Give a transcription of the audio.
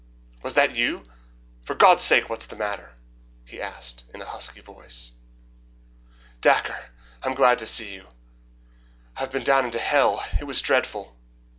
"Was that you? For God's sake what's the matter?" he asked in a husky voice. "Oh, Dacre, I am glad to see you! I have been down into hell. It was dreadful."